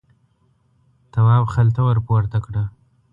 تواب خلته ور پورته کړه.